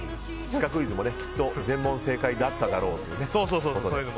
シカクイズもきっと全問正解だっただろう